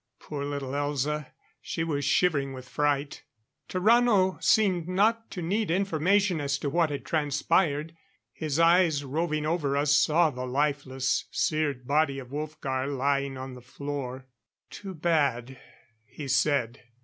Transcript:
Poor little Elza! She was shivering with fright. Tarrano seemed not to need information as to what had transpired. His eyes, roving over us, saw the lifeless, seared body of Wolfgar lying on the floor. "Too bad," he said.